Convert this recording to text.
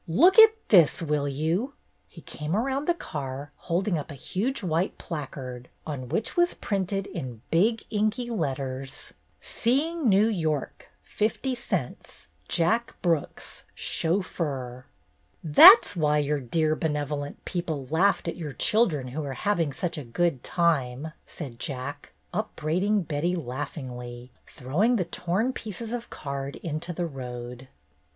" Look at this, will you ?" He came around the car, holding up a huge white placard, on which was printed in big inky letters: SEEING NEW YORK! 50 c. JACK BROOKS, CHAUFFEUR. 244 BETTY BAIRD'S GOLDEN YEAR ''That's why your dear benevolent people laughed at your children who were having such a good time!" said Jack, upbraiding Betty laughingly, throwing the torn pieces of card into the road.